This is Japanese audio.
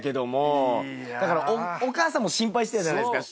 だからお母さんも心配してたじゃないですか。